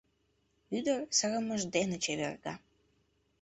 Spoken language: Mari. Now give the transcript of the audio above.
Ӱдыр сырымыж дене чеверга.